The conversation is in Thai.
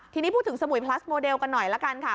ทีนี้พูดถึงสมุยพลัสโมเดลกันหน่อยละกันค่ะ